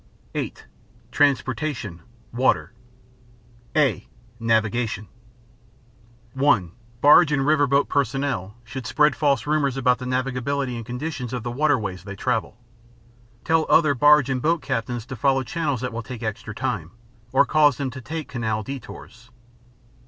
(8) Transportation: Water (a) Navigation (1) Barge and river boat personnel should spread false rumors about the navigability and conditions of the waterways they travel. Tell other barge and boat captains to follow channels that will take extra time, or cause them to make canal detours.